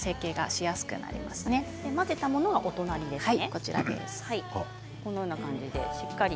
その方が混ぜたものがお隣ですね。